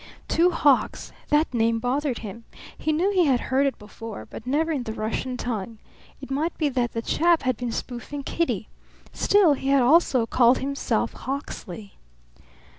Two Hawks. That name bothered him. He knew he had heard it before, but never in the Russian tongue. It might be that the chap had been spoofing Kitty. Still, he had also called himself Hawksley.